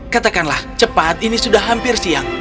katakanlah cepat ini sudah hampir siang